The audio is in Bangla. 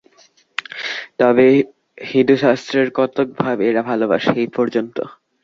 তবে হিঁদুশাস্ত্রের কতক ভাব এরা ভালবাসে, এই পর্যন্ত।